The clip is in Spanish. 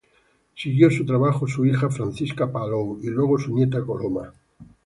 Siguió su trabajo su hija Francisca Palou y luego su nieta Coloma.